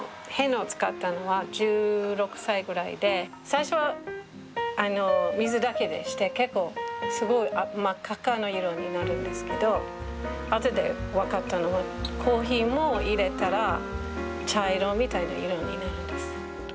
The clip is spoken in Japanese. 最初はあの水だけでして結構すごい真っ赤っかの色になるんですけどあとで分かったのはコーヒーも入れたら茶色みたいな色になるんです。